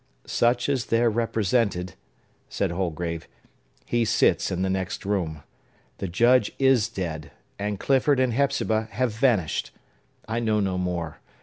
"Such as there represented," said Holgrave, "he sits in the next room. The Judge is dead, and Clifford and Hepzibah have vanished! I know no more.